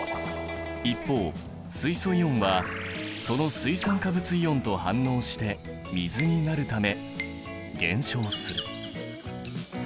一方水素イオンはその水酸化物イオンと反応して水になるため減少する。